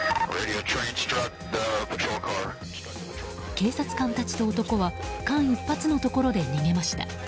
警察官たちと男は間一髪のところで逃げました。